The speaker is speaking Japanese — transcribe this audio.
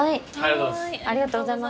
ありがとうございます。